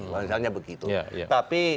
misalnya begitu tapi